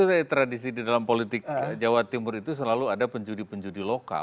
sebetulnya tradisi di dalam politik jawa timur itu selalu ada penjudi penjudi lokal